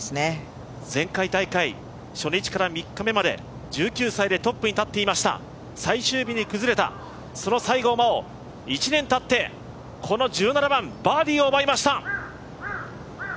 前回大会初日から３日目まで１９歳でトップに入っていました最終日に崩れたその西郷真央、１年たってこの１７番、バーディーを奪いました。